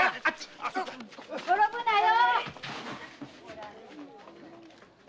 転ぶなよ！